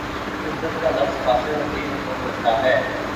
فطرت کا لفظ خاصہ وسیع مفہوم رکھتا ہے